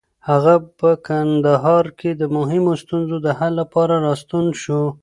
هغه په کندهار کې د مهمو ستونزو د حل لپاره راستون شو.